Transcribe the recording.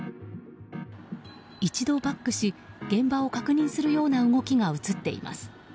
一度バックし現場を確認するような動きが映っています。